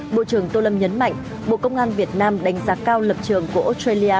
bộ trưởng tô lâm nhấn mạnh bộ công an việt nam đánh giá cao lập trường của australia